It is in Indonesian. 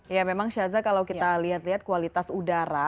ya memang syaza kalau kita lihat lihat kualitas udara